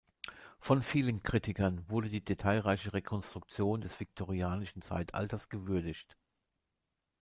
Von vielen Kritikern wurde die detailreiche Rekonstruktion des viktorianischen Zeitalters gewürdigt.